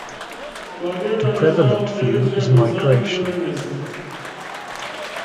The prevalent view is migration.